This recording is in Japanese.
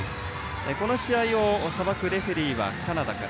この試合をさばくレフェリーはカナダから。